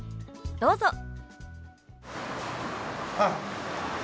どうぞ。